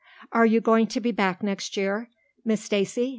"Are you going to be back next year, Miss Stacy?"